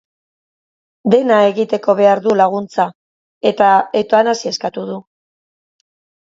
Dena egiteko behar du laguntza eta eutanasia eskatuta du.